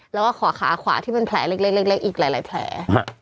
แล้วก็ขอขาขวาที่เป็นแผลเล็กอีกหลายแผล